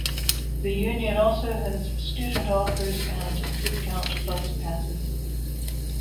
The union also has student offers and discount bus passes.